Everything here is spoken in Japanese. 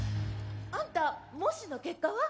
あんた模試の結果は？